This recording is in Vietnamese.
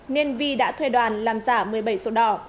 nguyễn thị bích vi đã thuê đoàn làm giả một mươi bảy sổ đỏ